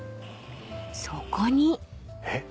［そこに］えっ？